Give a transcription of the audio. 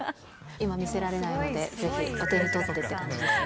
今見せられないので、ぜひお手に取ってっていう感じですね。